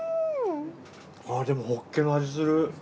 でもホッケの味する。